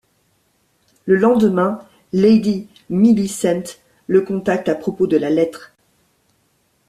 Le lendemain, Lady Millicent le contacte à propos de la lettre.